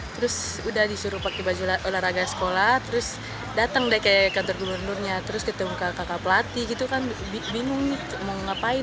terus udah disuruh pakai baju olahraga sekolah terus datang deh ke kantor gubernurnya terus ketemu kakak pelatih gitu kan bingung nih mau ngapain